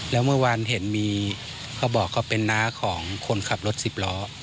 แล้วเมื่อวานเห็นมีเขาบอกเขาเป็นน้าของคนขับรถสิบล้อ